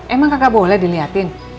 emang kakak boleh diliatin